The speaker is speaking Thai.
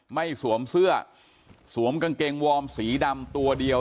สวมเสื้อสวมกางเกงวอร์มสีดำตัวเดียว